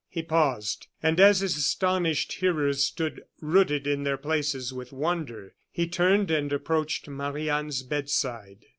He paused, and as his astonished hearers stood rooted to their places with wonder, he turned and approached Marie Anne's bedside.